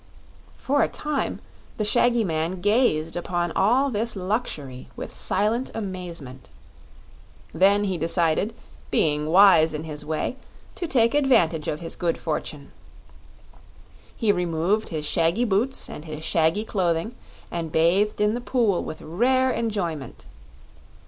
For a time the shaggy man gazed upon all this luxury with silent amazement. Then he decided, being wise in his way, to take advantage of his good fortune. He removed his shaggy boots and his shaggy clothing, and bathed in the pool with rare enjoyment.